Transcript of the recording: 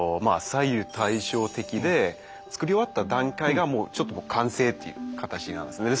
左右対称的でつくり終わった段階がもうちょっと完成という形なんですね。